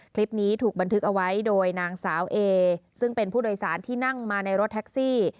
คลิปนี้ถูกบันทึกเอาไว้โดยนางสาวเอซึ่งเป็นผู้โดยสารที่นั่งมาในรถแท็กซี่